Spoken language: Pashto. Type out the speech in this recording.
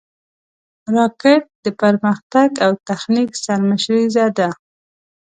راکټ د پرمختګ او تخنیک سرمشریزه ده